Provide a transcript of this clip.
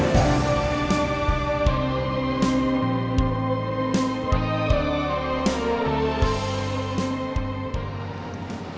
aku mau ngasih diri